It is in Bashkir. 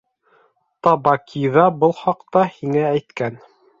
Табаки ҙа был хаҡта һиңә әйткән...